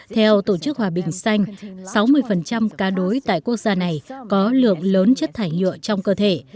theo tổ chức hòa bình xanh sáu mươi cá đối tại quốc gia này có lượng lớn chất thải nhựa trong cơ thể